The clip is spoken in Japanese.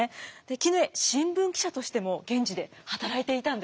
絹枝新聞記者としても現地で働いていたんです。